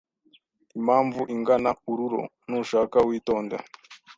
Ipamvu ingana ururo nushaka witonde